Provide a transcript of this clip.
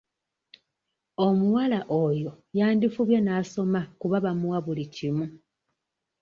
Omuwala oyo yandifubye n'asoma kuba bamuwa buli kimu.